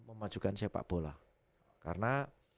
memajukan sepak bola karena